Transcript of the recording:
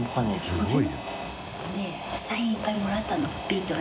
すごい！